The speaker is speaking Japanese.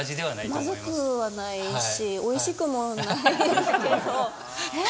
まずくはないしおいしくもないけどえっ？